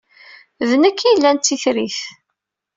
D nekk ay yellan d titrit.